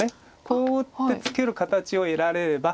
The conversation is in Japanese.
こう打ってツケる形を得られれば。